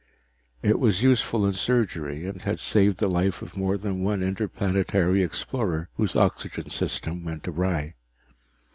It was useful in surgery, and had saved the life of more than one interplanetary explorer whose oxygen system went awry.